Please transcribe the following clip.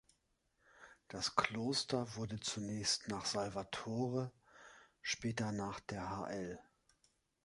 Das Kloster wurde zunächst nach Salvatore, später nach der Hl.